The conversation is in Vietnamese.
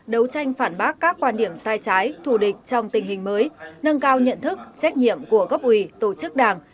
đấu tranh phản bác các quan điểm sai trái thù địch trong tình hình mới nâng cao nhận thức trách nhiệm của gấp ủy tổ chức đảng